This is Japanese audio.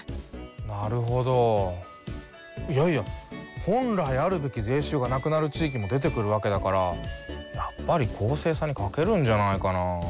なるほどいやいや本来あるべき税収がなくなる地域も出てくるわけだからやっぱり公正さにかけるんじゃないかな？